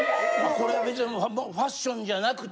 ・これは別にファッションじゃなくて。